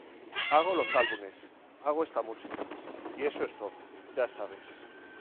Hago los álbumes, hago esta música y eso es todo, ya sabes".